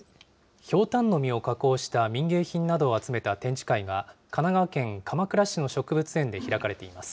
ひょうたんの実を加工した民芸品などを集めた展示会が、神奈川県鎌倉市の植物園で開かれています。